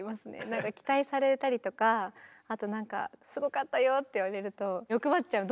なんか期待されたりとかあとなんかすごかったよって言われると欲張っちゃう。